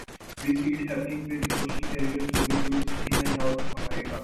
We see it happening with ocean carriers moving goods in and out of America.